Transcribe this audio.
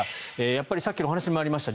やっぱりさっきのお話にもありました